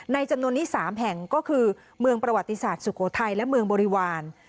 จำนวนนี้๓แห่งก็คือเมืองประวัติศาสตร์สุโขทัยและเมืองบริวาร